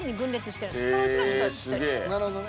なるほどね。